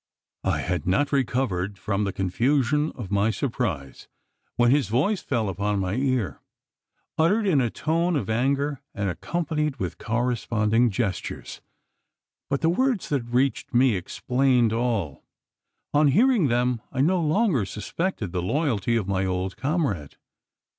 I had not recovered from the confusion of my surprise, when his voice fell upon my ear uttered in a tone of anger, and accompanied with corresponding gestures. But the words that reached me explained all. On hearing them, I no longer suspected the loyalty of my old comrade.